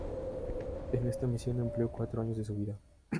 En esta misión empleó cuatro años de su vida.